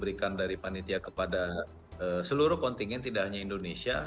berikan dari panitia kepada seluruh kontingen tidak hanya indonesia